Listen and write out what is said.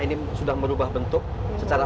ini sudah merubah bentuk secara